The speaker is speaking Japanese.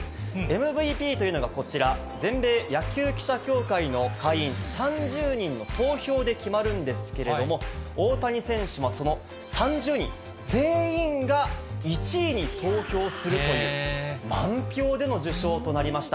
ＭＶＰというのがこちら、全米野球記者協会の会員３０人の投票で決まるんですけれども、大谷選手もその３０人全員が１位に投票するという、満票での受賞となりました。